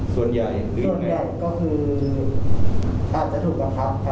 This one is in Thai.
ส่วนใหญ่ส่วนใหญ่ก็คืออาจจะถูกกรับครับ